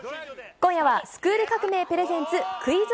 今夜は、スクール革命！プレゼンツ、クイズ！